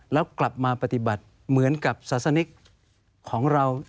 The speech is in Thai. แล้วกลับมาปฏิบัติเหมือนกับศาสนิกของเรา